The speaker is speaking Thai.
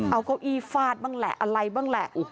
เอาเก้าอี้ฟาดบ้างแหละอะไรบ้างแหละ